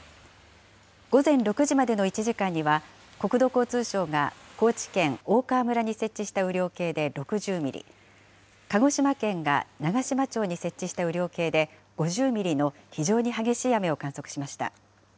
午前６時までの１時間には、国土交通省が高知県大川村に設置した雨量計で６０ミリ、鹿児島県が長島町に設置した雨量計で、５０ミリの非常に激しい雨を観測しました。